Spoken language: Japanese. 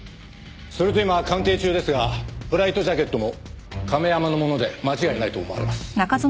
それと今鑑定中ですがフライトジャケットも亀山のもので間違いないと思われます。